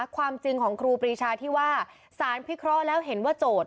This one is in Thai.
ความจริงของครูปรีชาที่ว่าสารพิเคราะห์แล้วเห็นว่าโจทย